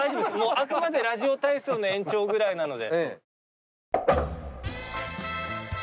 あくまでラジオ体操の延長ぐらいなので。